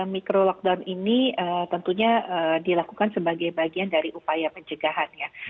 micro lockdown ini tentunya dilakukan sebagai bagian dari upaya pencegahan ya